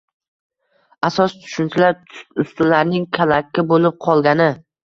asos tushunchalar, ustunlarning kalaka bo‘lib qolgani.